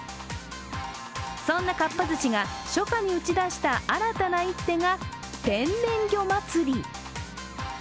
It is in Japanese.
そんなかっぱ寿司が初夏に打ち出した新たな一手が天然魚祭り。